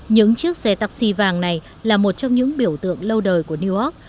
những chiếc xe taxi vàng này là một trong những biểu tượng lâu đời của new york